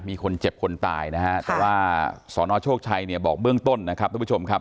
มีคนเจ็บคนตายนะฮะแต่ว่าสนโชคชัยเนี่ยบอกเบื้องต้นนะครับทุกผู้ชมครับ